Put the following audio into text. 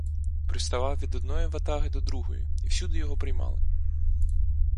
Приставав від одної ватаги до другої і всюди його приймали.